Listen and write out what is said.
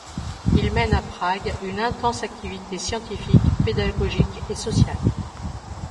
Il mène à Prague une intense activité scientifique, pédagogique et sociale.